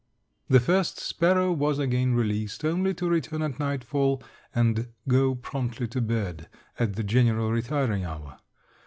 The first sparrow was again released only to return at nightfall and go promptly to bed at the general retiring hour.